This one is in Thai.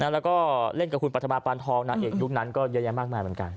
แล้วก็เล่นกับคุณปรัฐมาปานทองนางเอกยุคนั้นก็เยอะแยะมากมายเหมือนกัน